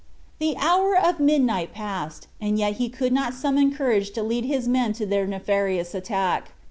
The hour of midnight passed, and yet he could not summon courage to lead his men to their nefarious attack.